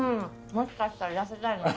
もしかしたら痩せたいのかも。